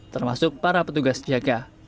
termasuk para petugas jaga